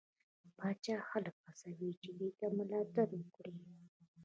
پاچا خلک هڅوي چې دې ده ملاتړ وکړي.